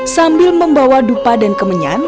sambil membawa dupa dan kemenyan